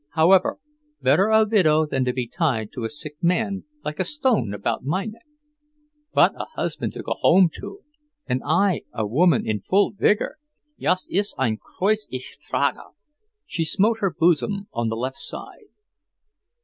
However, better a widow than to be tied to a sick man like a stone about my neck! What a husband to go home to! and I a woman in full vigour. Jas ist ein Kreuz ich trage!" She smote her bosom, on the left side.